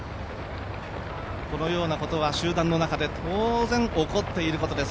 このようなことは集団の中で当然起こっていることです。